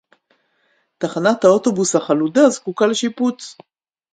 תחנת האוטובוס החלודה זקוקה לשיפוץ